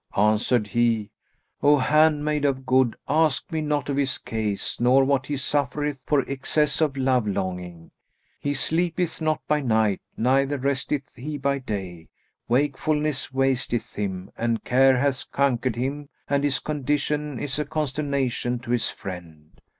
Answered he, "O handmaid of good, ask me not of his case nor what he suffereth for excess of love longing; he sleepeth not by night neither resteth he by day; wakefulness wasteth him and care hath conquered him and his condition is a consternation to his friend."